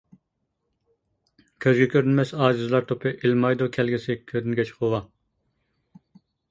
كۆزىگە كۆرۈنمەس ئاجىزلار توپى، ئىلمايدۇ كەلگۈسى كۆرۈنگەچ غۇۋا.